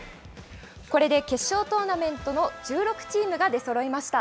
これで決勝トーナメントの１６チームが出そろいました。